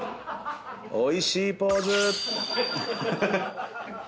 おいしいポーズ。